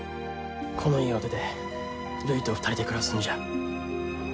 この家を出てるいと２人で暮らすんじゃ。